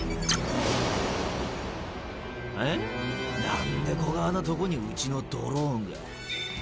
何でこがぁなとこにうちのドローンが。